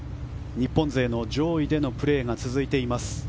日本勢の上位でのプレーが続いています。